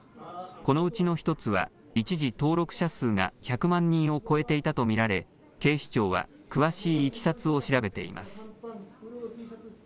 このうちの１つは一時、登録者数が１００万人を超えていたと見られ警視庁は詳しいいきさつを調べています。